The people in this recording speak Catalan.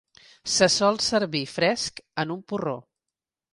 Se sol servir fresc en un porró.